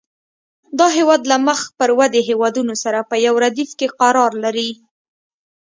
دا هېواد له مخ پر ودې هېوادونو سره په یو ردیف کې قرار لري.